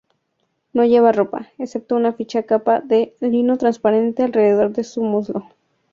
No lleva ropa, excepto una fina capa de lino transparente alrededor de su muslo.